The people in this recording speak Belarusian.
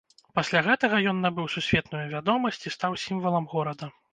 Пасля гэтага ён набыў сусветную вядомасць і стаў сімвалам горада.